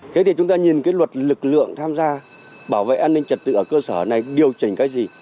thế thì chúng ta nhìn cái luật lực lượng tham gia bảo vệ an ninh trật tự ở cơ sở này điều chỉnh cái gì